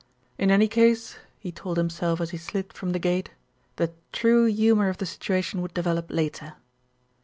In any case, he told himself as he slid from the gate, the true humour of the situation would develop later.